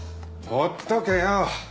放っとけよ。